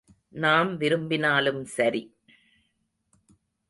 நாம் விரும்பினாலும் சரி.